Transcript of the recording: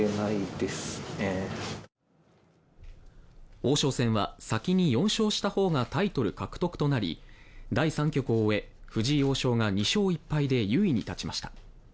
王将戦は先に４勝した方がタイトル獲得となり第３局を終え藤井王将が２勝１敗で優位に立ちました。